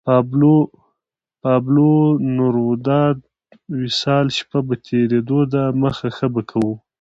پابلو نوروداد وصال شپه په تېرېدو ده مخه شه به کوو